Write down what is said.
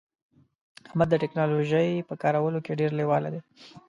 احمد د ټکنالوژی په کارولو کې ډیر لیوال دی